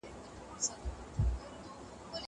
ږغ د زهشوم له خوا اورېدل کيږي.